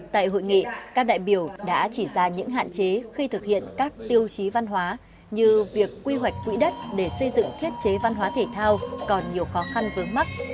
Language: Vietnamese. tại hội nghị các đại biểu đã chỉ ra những hạn chế khi thực hiện các tiêu chí văn hóa như việc quy hoạch quỹ đất để xây dựng thiết chế văn hóa thể thao còn nhiều khó khăn vướng mắt